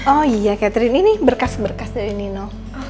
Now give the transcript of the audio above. oh iya catherine ini berkas berkas dari nino